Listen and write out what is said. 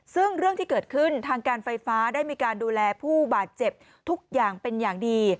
ซึ่งเรื่องที่เกิดขึ้นทางการไฟฟ้าได้มีการดูแลผู้บาดเจ็บทุกอย่างเป็นอย่างดี